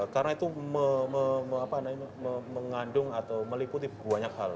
karena itu mengandung atau meliputi banyak hal